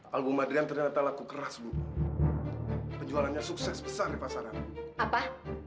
hai album adrian ternyata laku keras penjualannya sukses besar di pasaran apa